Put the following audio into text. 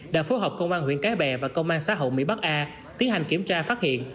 đã phối hợp công an huyện cái bè và công an xã hậu mỹ bắc a tiến hành kiểm tra phát hiện